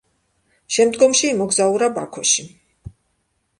შემდგომში იმოგზაურა ბაქოში.